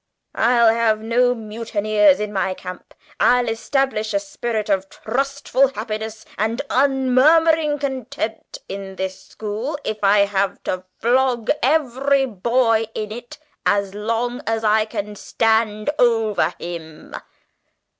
I'll have no mutineers in my camp. I'll establish a spirit of trustful happiness and unmurmuring content in this school, if I have to flog every boy in it as long as I can stand over him!